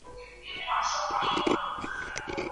سیاسي ګوندونه کله ناکله تاریخ ته تغیر ورکوي.